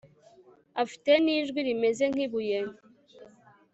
afite nijwi rimeze nkibuye